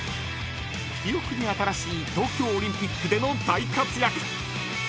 ［記憶に新しい東京オリンピックでの大活躍］